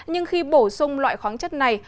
nhưng khi bổ sung loại khoáng chất này